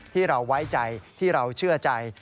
ที่เราไว้ใจที่เราเชื่อใจ